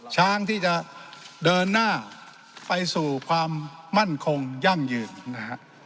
ช้างที่จะเดินหน้าไปสู่ความมั่นคงยั่งยืนนะฮะ